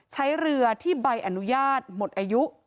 ใช้เรือที่ใบอนุญาตหมดอายุ